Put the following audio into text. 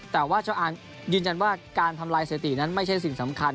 แต่ว่าชาวอาร์โมลิคยืนยันว่าการทำลายเศรษฐีนั้นไม่ใช่สิ่งสำคัญ